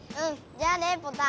じゃあねポタ。